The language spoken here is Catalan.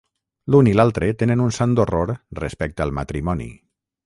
L’un i l'altre tenen un sant horror respecte al matrimoni.